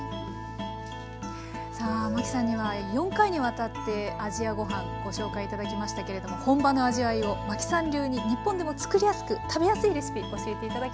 マキさんには４回にわたって「アジアごはん」ご紹介頂きましたけれども本場の味わいをマキさん流に日本でも作りやすく食べやすいレシピ教えて頂きました。